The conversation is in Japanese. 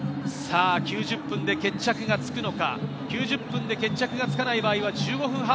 ９０分で決着がつくのか、９０分で決着がつかない場合は１５分